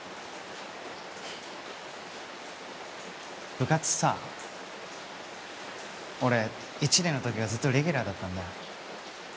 部活さ俺１年の時はずっとレギュラーだったんだ。